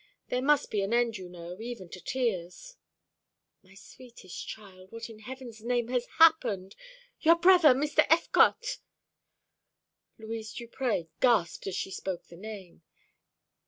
There must be an end, you know, even to tears." "My sweetest child, what in Heaven's name has happened? Your brother, Mr. Effecotte!" Louise Duprez gasped as she spoke the name.